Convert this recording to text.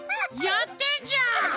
やってんじゃん！